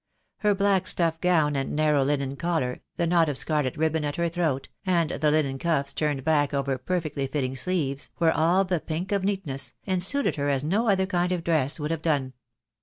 Her black stuff gown and narrow linen collar, the knot of scarlet ribbon at her throat, and the linen cuffs turned back over perfectly fitting sleeves, were all the pink of neatness, and suited her as no other kind of dress would have done.